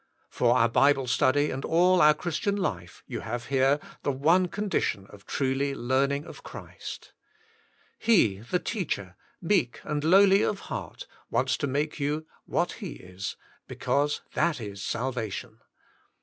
For our Bible study and all our Christian life you have here the one condition of truly learning of Christ. He, the Teacher, meek and lowly of heart, wants to make you what He is, because that is salvation.